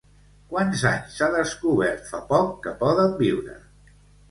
Quants anys s'ha descobert fa poc que poden viure?